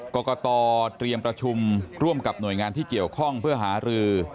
กรกตเตรียมประชุมร่วมกับหน่วยงานที่เกี่ยวข้องเพื่อหารือ